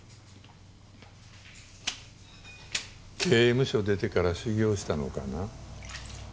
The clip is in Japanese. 刑務所出てから修業したのかな？